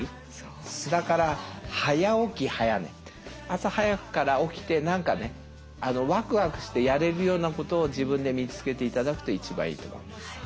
朝早くから起きて何かねワクワクしてやれるようなことを自分で見つけて頂くと一番いいと思います。